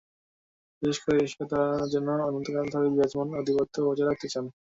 বিশেষ করে এশিয়ায় তাঁরা যেন অনন্তকাল ধরে বিরাজমান আধিপত্য বজায় রাখতে চান।